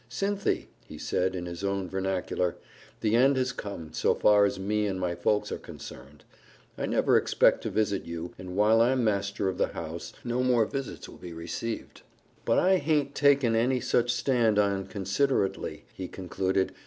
"Cynthy," he said in his own vernacular, "the end has come, so far as me and my folks are concerned I never expect to visit you, and while I'm master of the house, no more visits will be received. But I haint taken any such stand onconsiderately," he concluded.